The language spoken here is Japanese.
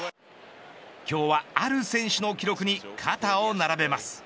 今日は、ある選手の記録に肩を並べます。